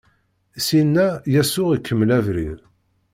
Syenna Yasuɛ ikemmel abrid.